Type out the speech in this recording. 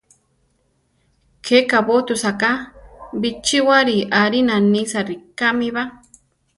Ke kabótusa ka, bichíwari arina nisa rikámiba.